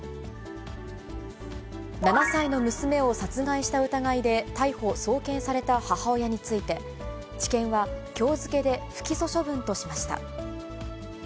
７歳の娘を殺害した疑いで逮捕・送検された母親について、地検はきょう付けで不起訴処分としました。